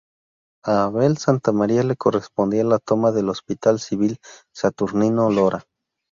A Abel Santamaría le correspondía la toma del hospital civil Saturnino Lora.